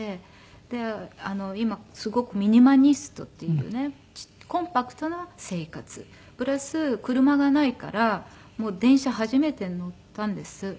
で今すごくミニマリストっていうねコンパクトな生活プラス車がないから電車初めて乗ったんです。